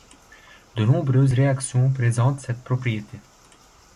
De nombreuses réactions présentent cette propriété.